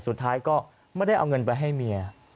สุดท้ายก็ไม่ได้เอาเงินไปให้เมีย